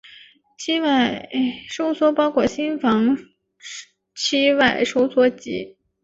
期外收缩包括心房期外收缩及。